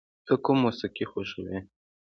ته کوم موسیقی خوښوې؟